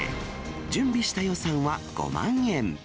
準備した予算は５万円。